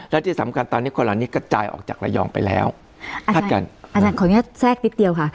และที่สำคัญตอนนี้คนเหล่านี้กระจายออกจากระยองไปแล้วคัดกันอาจารย์ขออนุญาตแทรกนิดเดียวค่ะ